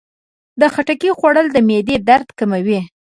د خټکي خوړل د معدې درد کموي.